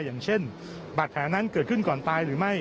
อย่างเช่นบาดแผลนั้นเกิดขึ้นก่อนตายหรือไม่